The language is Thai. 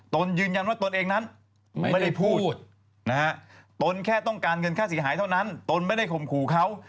ตนยืนยันว่าตนเองนั้นไม่ได้พูดนะฮะตนแค่ต้องการเงินค่าเสียหายเท่านั้นตนไม่ได้ข่มขู่เขา